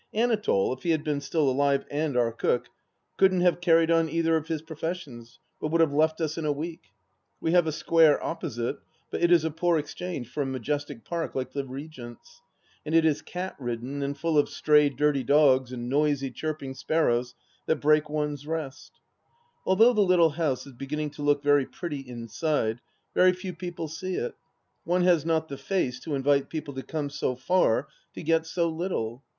Anatole, if he had been still alive and our cook, couldn't have carried on either of his professions, but would have left us in a week. ... We have a square opposite, but it is a poor exchange for a majestic park like the Regent's. And it is cat ridden and full of stray dirty dogs and noisy chirping sparrows that break one's rest. .., Although the little house is beginning to look very pretty inside, very few people see it. One has not the face to invite people to come so far to get so little.